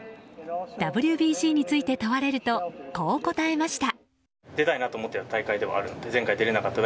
ＷＢＣについて問われるとこう答えました。